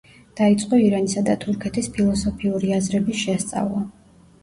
დაიწყო ირანისა და თურქეთის ფილოსოფიური აზრების შესწავლა.